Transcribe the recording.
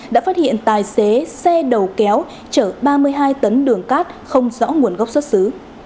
đã phát hiện tài xế xe đầu kéo chở ba mươi hai tấn đường cát không rõ nguồn gốc xuất xứ